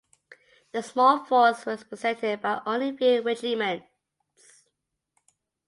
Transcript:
The small force was represented by only a few regiments.